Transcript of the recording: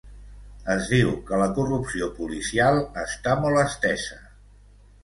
Es diu, que la corrupció policial està molt estesa.